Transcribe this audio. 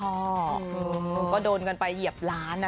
โอ้โฮก็โดนกันไปเหยียบร้าน